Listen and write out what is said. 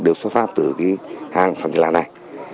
đều xuất phát từ hàng phần lạ này